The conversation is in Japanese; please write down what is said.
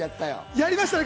やりましたね！